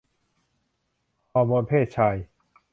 ฮอร์โมนเพศชาย